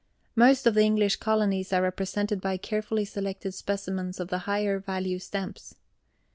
Most of the English Colonies are represented by carefully selected specimens of the higher value stamps.